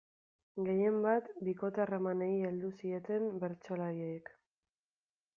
Gehienbat, bikote-harremanei heldu zieten bertsolariek.